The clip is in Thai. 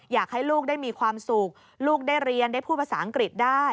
อยากให้ลูกได้มีความสุขลูกได้เรียนได้พูดภาษาอังกฤษได้